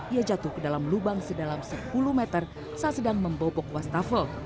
ia jatuh ke dalam lubang sedalam sepuluh meter saat sedang membobok wastafel